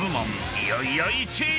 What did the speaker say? いよいよ１位！］